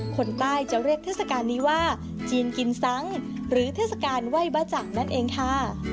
คนใต้จะเรียกเทศกาลนี้ว่าจีนกินซังหรือเทศกาลไหว้บ้าจังนั่นเองค่ะ